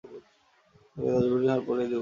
তোকে দশভরির হার গড়িয়ে দেব।